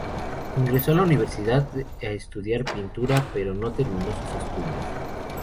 Ingresó en la universidad a estudiar pintura, pero no terminó sus estudios.